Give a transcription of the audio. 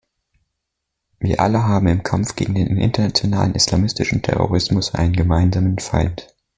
Wir alle haben im Kampf gegen den internationalen islamistischen Terrorismus einen gemeinsamen Feind.